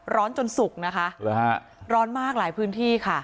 จนสุกนะคะร้อนมากหลายพื้นที่ค่ะ